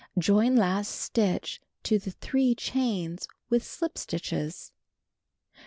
Join last stitch to the 3 chains with slip stitches. 3.